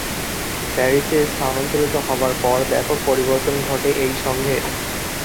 প্যারিসে স্থানান্তরিত হবার পর ব্যাপক পরিবর্তন ঘটে এই সংঘের।